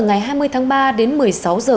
ngày hai mươi tháng ba đến một mươi sáu h